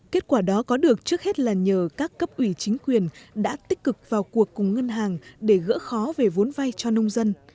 kết quả đó có được trước hết là nhờ các cấp ủy chính quyền đã tích cực vào cuộc cùng ngân hàng để gỡ khó về vốn vay cho nông dân